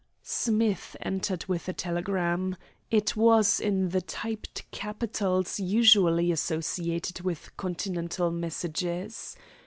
Smith entered with a telegram. It was in the typed capitals usually associated with Continental messages.